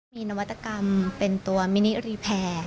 มีนวัตกรรมเป็นตัวมินิรีแพร